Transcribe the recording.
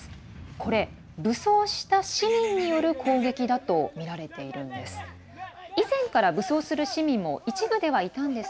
これ、武装した市民による攻撃だとみられているんです。